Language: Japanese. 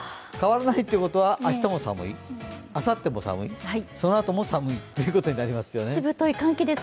変わらないということは明日の寒い、あさっても寒い、そのあとも寒いっていうことになりますよね。